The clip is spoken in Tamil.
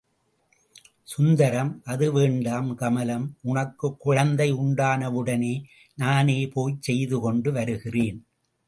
சுந்தரம் அது வேண்டாம் கமலம், உனக்குக் குழந்தை உண்டானவுடனே நானே போய்ச் செய்து கொண்டு வருகிறேன்.